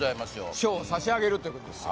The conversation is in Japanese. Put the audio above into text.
賞を差し上げるということですよ